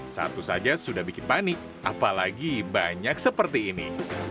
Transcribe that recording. satu saja sudah bikin panik apalagi banyak seperti ini